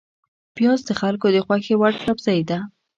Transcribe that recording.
پیاز د خلکو د خوښې وړ سبزی ده